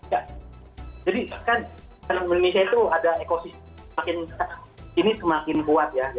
ya jadi kan indonesia itu ada ekosistem semakin ini semakin kuat ya